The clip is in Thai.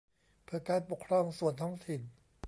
เพื่อการปกครองส่วนท้องถิ่น